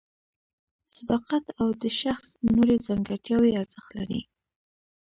صداقت او د شخص نورې ځانګړتیاوې ارزښت لري.